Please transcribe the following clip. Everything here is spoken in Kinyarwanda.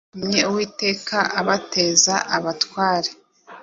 Ni cyo cyatumye Uwiteka abateza abatware